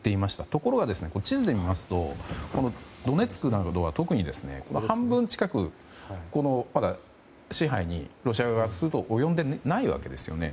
ところが、地図で見ますとドネツクなどは特に半分近く、まだロシア側の支配には及んでいないですよね。